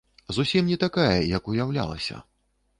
Зусім не такая, як уяўлялася.